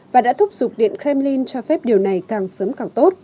và đã thúc giục điện kremlin cho phép điều này càng sớm càng tốt